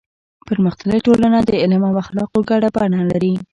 پرمختللې ټولنه د علم او اخلاقو ګډه بڼه لري.